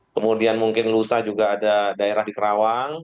kemudian mungkin lusa juga ada daerah di kerawang